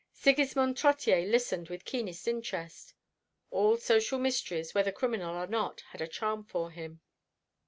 Sigismond Trottier listened with keenest interest. All social mysteries, whether criminal or not, had a charm for him.